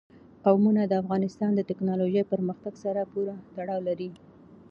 قومونه د افغانستان د تکنالوژۍ پرمختګ سره پوره تړاو لري.